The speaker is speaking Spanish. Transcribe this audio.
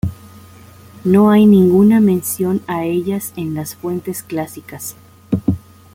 No hay ninguna mención a ellas en las fuentes clásicas.